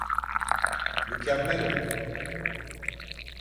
Mükemmel oldu.